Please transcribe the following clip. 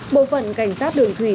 bộ phận cảnh sát đường thủy